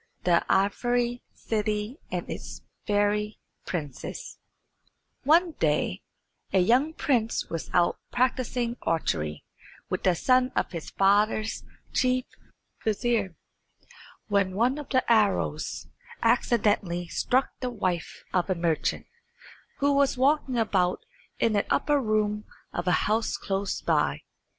"_ The Ivory City and its Fairy Princess One day a young prince was out practising archery with the son of his father's chief vizier, when one of the arrows accidentally struck the wife of a merchant, who was walking about in an upper room of a house close by.